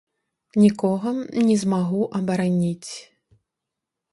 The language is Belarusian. Нікога не змагу абараніць.